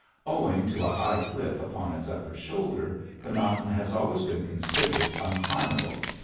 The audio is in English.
Owing to a high cliff upon its upper shoulder, the mountain has always been considered unclimbable.